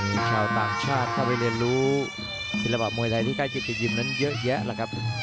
มีชาวต่างชาติเข้าไปเรียนรู้ศิลปะมวยไทยที่ใกล้จิตยิมนั้นเยอะแยะแล้วครับ